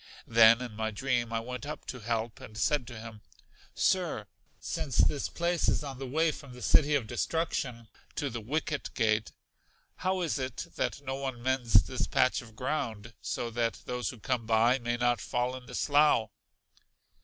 Then in my dream I went up to Help and said to him, Sir, since this place is on the way from The City of Destruction to The Wicket Gate, how is it that no one mends this patch of ground, so that those who come by may not fall in the slough?